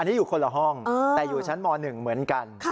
อันนี้อยู่คนละห้องแต่อยู่ชั้นม๑เหมือนกัน